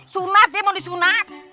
sunat dia mau disunat